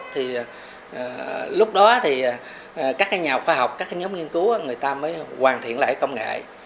thì lúc đó thì các nhà khoa học các nhóm nghiên cứu người ta mới hoàn thiện lại công nghệ